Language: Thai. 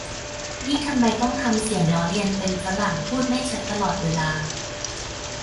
นี่ทำไมต้องทำเสียงล้อเลียนเป็นฝรั่งพูดไม่ชัดตลอดเวลา